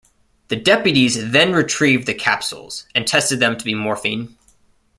The deputies then retrieved the capsules and tested them to be morphine.